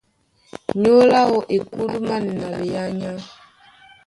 Nyólo áō e kúdúmánɛ́ na ɓeánya.